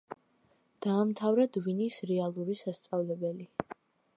დაამთავრა დვინის რეალური სასწავლებელი.